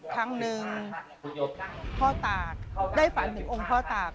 ครั้งหนึ่งพ่อตากได้ฝันถึงองค์พ่อตาก